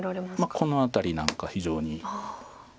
この辺りなんか非常に。